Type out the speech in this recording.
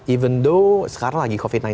even dow sekarang lagi covid sembilan belas